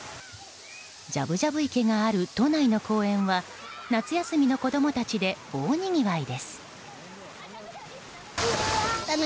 じゃぶじゃぶ池がある都内の公園は夏休みの子供たちで大にぎわいです。